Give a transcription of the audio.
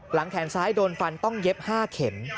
แขนซ้ายโดนฟันต้องเย็บ๕เข็ม